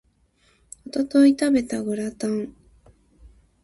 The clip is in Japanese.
一昨日食べたグラタン